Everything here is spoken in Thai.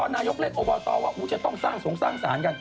นายกเล็กอบตว่าอุชจะต้องสร้างสร้างศาลกัน